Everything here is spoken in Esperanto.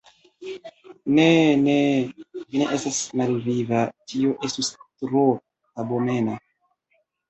Ne, ne, vi ne estas malviva: tio estus tro abomena.